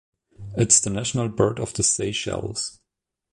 It is the national bird of the Seychelles.